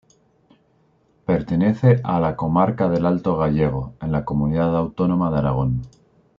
Pertenece a la comarca del Alto Gállego, en la comunidad autónoma de Aragón.